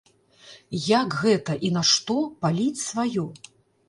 Як гэта і нашто паліць сваё!